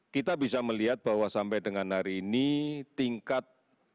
kita bisa melihat bahwa sampai dengan hari ini tingkat